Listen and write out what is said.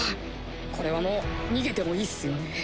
これはもう逃げてもいいっすよね？